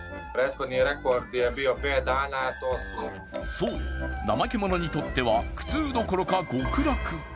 そう、怠け者にとっては苦痛どころか極楽。